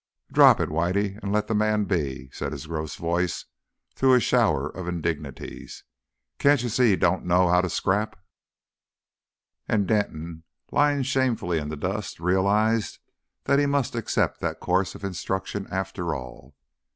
"Drop 'is 'air, Whitey, and let the man be," said his gross voice through a shower of indignities. "Can't you see 'e don't know 'ow to scrap?" And Denton, lying shamefully in the dust, realised that he must accept that course of instruction after all.